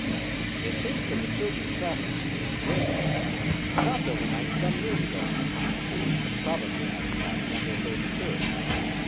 It seems that a certain traveling man of great nerve force stopped overnight some years ago with Conk, probably occupying number thirty two.